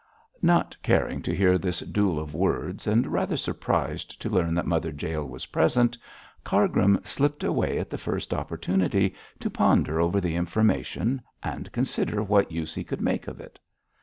Not caring to hear this duel of words, and rather surprised to learn that Mother Jael was present, Cargrim slipped away at the first opportunity to ponder over the information and consider what use he could make of it.